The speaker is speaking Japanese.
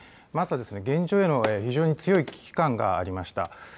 まず現状への強い危機感がありました。